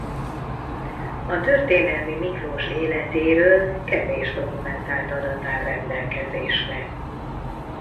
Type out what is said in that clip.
A történelmi Miklós életéről kevés dokumentált adat áll rendelkezésre.